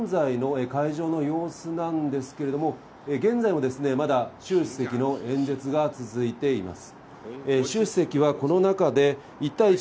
そして現在の会場の様子なんですけれども、現在もですね、まだシュウ主席の演説が続いています。